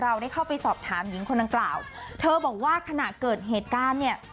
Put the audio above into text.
ได้เข้าไปสอบถามหญิงคนดังกล่าวเธอบอกว่าขณะเกิดเหตุการณ์เนี่ย